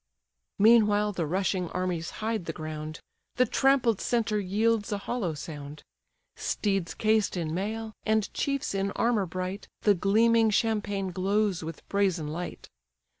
Meanwhile the rushing armies hide the ground; The trampled centre yields a hollow sound: Steeds cased in mail, and chiefs in armour bright, The gleaming champaign glows with brazen light.